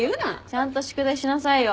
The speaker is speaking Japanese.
ちゃんと宿題しなさいよ。